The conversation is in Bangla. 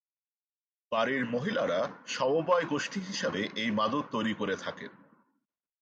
বাড়ির মহিলারা সমবায় গোষ্ঠী হিসাবে এই মাদুর তৈরি করে থাকেন।